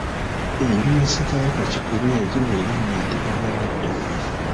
Enju ya Ssekabaka Kikulwe yagiwa erinnya Ndigalyamadda.